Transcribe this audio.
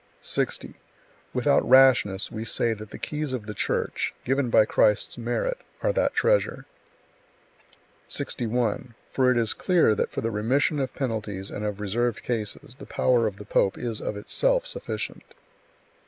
60. Without rashness we say that the keys of the Church, given by Christ's merit, are that treasure; 61. For it is clear that for the remission of penalties and of reserved cases, the power of the pope is of itself sufficient.